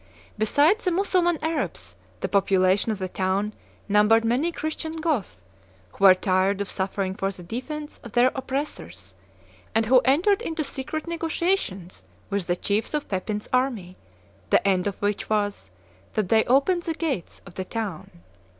Besides the Mussulman Arabs the population of the town numbered many Christian Goths, who were tired of suffering for the defence of their oppressors, and who entered into secret negotiations with the chiefs of Pepin's army, the end of which was, that they opened the gates of the town.